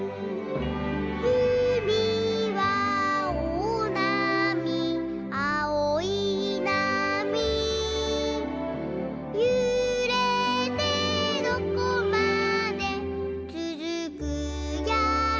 「うみはおおなみあおいなみ」「ゆれてどこまでつづくやら」